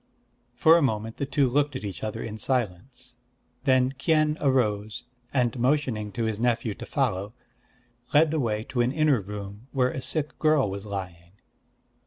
For a moment the two looked at each other in silence. Then Kien arose, and motioning to his nephew to follow, led the way to an inner room where a sick girl was lying.